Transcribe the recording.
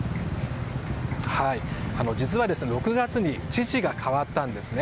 実は、６月に知事が変わったんですね。